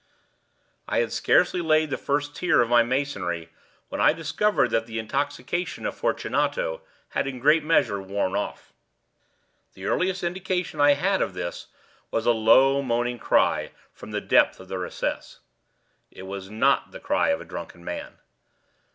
I had scarcely laid the first tier of my masonry when I discovered that the intoxication of Fortunato had in a great measure worn off. The earliest indication I had of this was a low moaning cry from the depth of the recess. It was not the cry of a drunken man.